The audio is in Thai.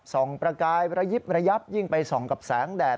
ประกายระยิบระยับยิ่งไปส่องกับแสงแดด